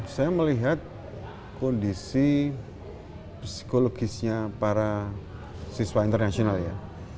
saya melihat kondisi psikologisnya para siswa internasional ya